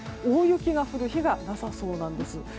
大雪が降る日がなさそうなんです。